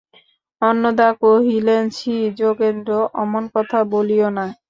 অন্নদা কহিলেন, ছি যোগেন্দ্র, অমন কথা বলিয়ো না।